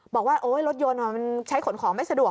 บอกว่าโอ๊ยรถยนต์มันใช้ขนของไม่สะดวก